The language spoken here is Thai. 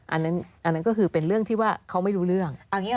อันนั้นก็คือเป็นเรื่องที่ว่าเขาไม่รู้เรื่อง